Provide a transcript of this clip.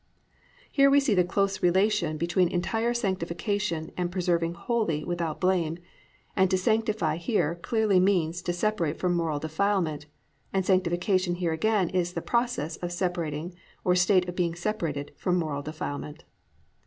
"+ Here we see the close relation between entire sanctification and preserving wholly, without blame, and to sanctify here clearly means to separate from moral defilement, and sanctification here again is the process of separating or state of being separated from moral defilement.